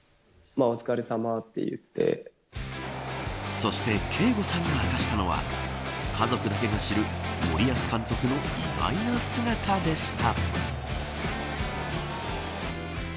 そしてけーごさんが明かしたのは家族だけが知る森保監督の意外な姿でした。